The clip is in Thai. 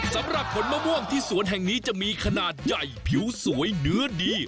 สำหรับผลมะม่วงที่สวนแห่งนี้จะมีขนาดใหญ่ผิวสวยเนื้อดี